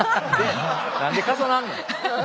何で重なんねん。